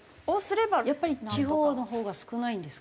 やっぱり地方のほうが少ないんですか？